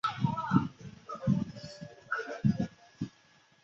樊陵人。